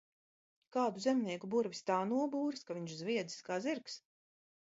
Kādu zemnieku burvis tā nobūris, ka viņš zviedzis kā zirgs.